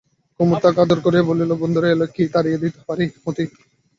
কুমুদ তাকে আদর করিয়া বলে, বন্ধুরা এলে কি তাড়িয়ে দিতে পারি মতি?